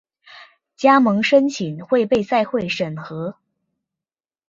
加盟申请会被赛会审核。